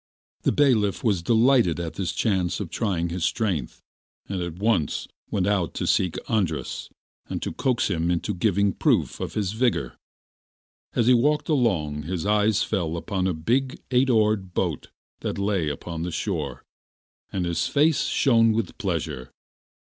The bailiff was delighted at this chance of trying his strength, and at once went out to seek Andras and to coax him into giving proof of his vigour. As he walked along his eyes fell upon a big eight oared boat that lay upon the shore, and his face shone with pleasure.